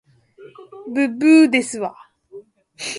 ぶっぶーですわ